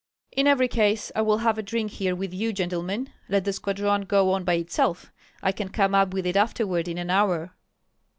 "In every case I will have a drink here with you, gentlemen. Let the squadron go on by itself; I can come up with it afterward in an hour."